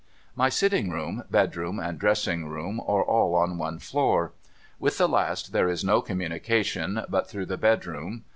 My sitting room, bedroom, and dressing room, are all on one floor. With the last there is no communication but through the bedroom.